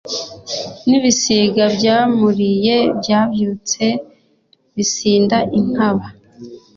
N’ibisiga byamuliye byabyutse bisinda inkaba,